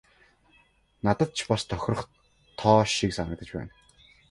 Надад ч бас тохирох тоо шиг санагдаж байна.